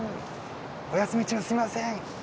お休み中、すみません。